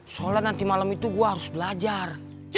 soalnya nanti malem itu gue harus belajar